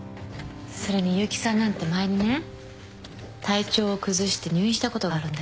それに悠木さんなんて前にね体調を崩して入院したことがあるんだけど。